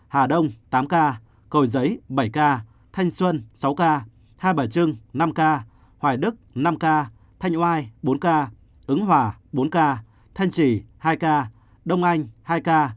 hà đông tám ca cầu giấy bảy ca thanh xuân sáu ca hai bà trưng năm ca hoài đức năm ca thanh oai bốn ca ứng hòa bốn ca thanh trì hai ca đông anh hai ca